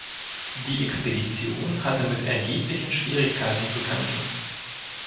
Die Expedition hatte mit erheblichen Schwierigkeiten zu kämpfen.